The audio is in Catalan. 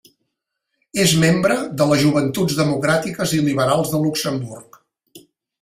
És membre de les joventuts democràtiques i liberals de Luxemburg.